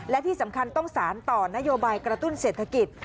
และที่สำคัญต้องสารต่อนโยบายกระตุ้นเศรษฐกิจ